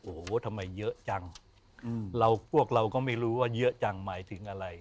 โอ้โหทำไมเยอะจังเราพวกเราก็ไม่รู้ว่าเยอะจังหมายถึงอะไร